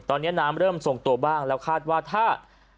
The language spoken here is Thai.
ตอนนี้น้ำเริ่มทรงตัวบ้างแล้วคาดว่าถ้า